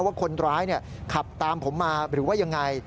ว่าคนร้ายขับตามผมมาหรือว่ายังไง